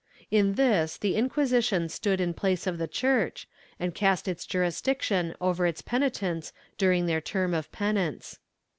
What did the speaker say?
In this the Inquisition stood in the place of the Church, and cast its jurisdiction over its penitents during their term of penance.